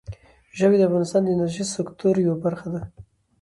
ژبې د افغانستان د انرژۍ سکتور یوه برخه ده.